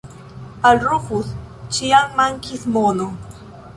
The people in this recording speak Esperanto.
Al Rufus ĉiam mankis mono.